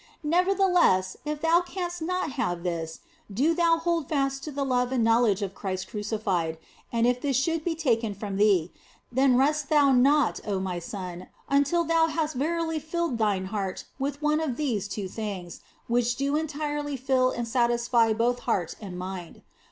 Nevertheless, if thou canst not have this, do thou hold fast to the love and knowledge of Christ crucified, and if this should be taken from thee, OF FOLIGNO 47 then rest thou not, oh my son, until thou hast verily filled thine heart with one of these two things, which do entirely fill and satisfy both heart and mind.